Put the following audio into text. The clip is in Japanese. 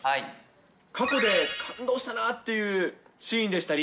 過去で感動したなっていうシーンでしたり。